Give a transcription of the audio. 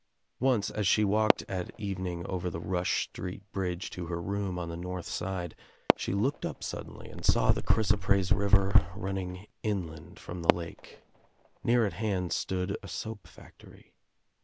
Once as she walked at even ing over the Rush Street bridge to her room on the North Side she looked up suddenly and saw the chrysoprase river running Inland from the lake. Near at hand stood a soap factory.